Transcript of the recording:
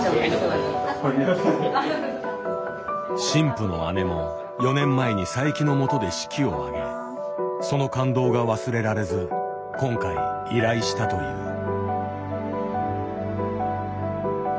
新婦の姉も４年前に佐伯のもとで式を挙げその感動が忘れられず今回依頼したという。